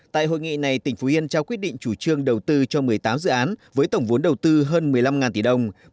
tại hội nghị này tỉnh phú yên trao quyết định chủ trương đầu tư cho một mươi tám dự án với tổng vốn đầu tư hơn một mươi năm tỷ đồng